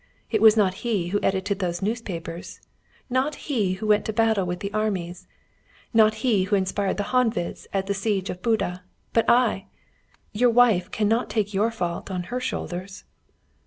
It was not he who edited those newspapers; not he who went to battle with the armies; not he who inspired the Honveds at the siege of Buda: but I.' Your wife cannot take your fault on her shoulders."